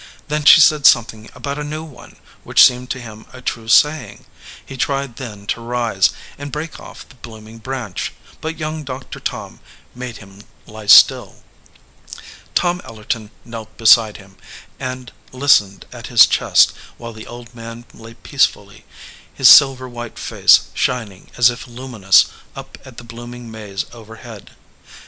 Then she said something about a new one, which seemed to him a true saying. He tried then to rise, and break off the blooming branch, but young Doctor Tom made him lie still. Tom Ellerton knelt beside him, and listened at his chest, while the old man lay peacefully, his sil ver white face shining as if luminous up at the blooming maze overhead.